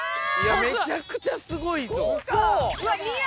めちゃくちゃすごいぞ！